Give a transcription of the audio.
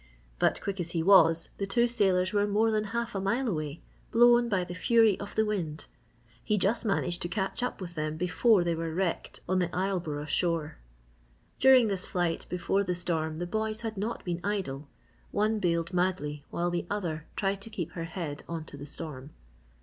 But quick as he was, the two sailors were more than half a mile away, blown by the fury of the wind. He just managed to catch up with them before they were wrecked on the Isleboro shore. During this flight before the storm the boys had not been idle. One bailed madly while the other tried to keep her head on to the storm.